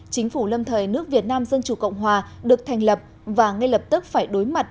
chính phủ lâm thời nước việt nam dân chủ cộng hòa được thành lập và ngay lập tức phải đối mặt